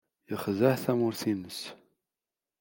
Yexdeɛ tamurt-nnes.